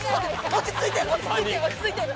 落ち着いて！